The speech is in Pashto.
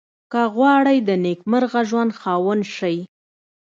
که غواړئ د نېکمرغه ژوند خاوند شئ.